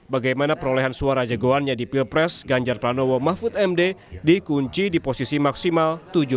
karena perolehan suara jagoannya di pilpres ganjar pranowo mahfud md dikunci di posisi maksimal tujuh belas